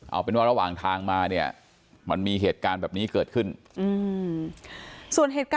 เอาเป็นว่าระหว่างทางมาเนี้ยมันมีเหตุการณ์แบบนี้เกิดขึ้นอืม